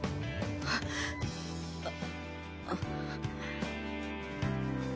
あっ！あっ。